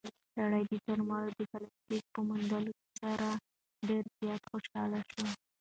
سړی د درملو د پلاستیک په موندلو سره ډېر زیات خوشحاله شو.